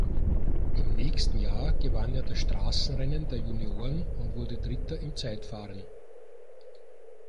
Im nächsten Jahr gewann er das Straßenrennen der Junioren und wurde Dritter im Zeitfahren.